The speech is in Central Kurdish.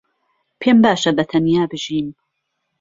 پێم باشە بەتەنیا بژیم.